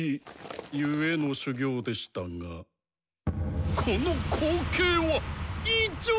ゆえの修行でしたがこの光景は異常！